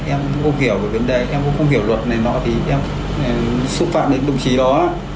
em không hiểu về vấn đề em cũng không hiểu luật này nọ thì em xúc phạm đến đồng chí đó